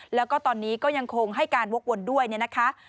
แล้วก็ตอนนี้ก็ยังคงให้การวกวนด้วยเนี่ยนะคะ